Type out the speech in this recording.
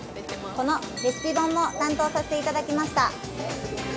このレシピ本も担当させていただきました。